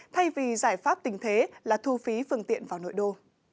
thay vì giải pháp tình thế là thu phí phương tiện vào nội đô